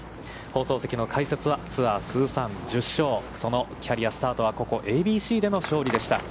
放送席の解説は、ツアー通算１０勝、そのキャリアスタートはここＡＢＣでの勝利でした。